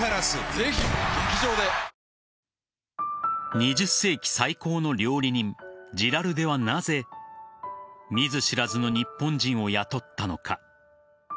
２０世紀最高の料理人ジラルデはなぜ見ず知らずの日本人を雇ったのか。